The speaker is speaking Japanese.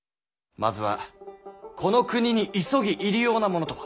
まずはこの国に急ぎ入り用なものとは？